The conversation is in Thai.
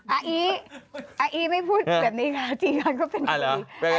อาอีอาอีไม่พูดแบบนี้ค่ะจีนก็เป็นอย่างนี้